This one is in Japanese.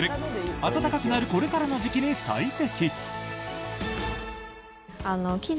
暖かくなるこれからの時期に最適！